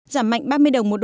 giảm mạnh ba mươi đồng một usd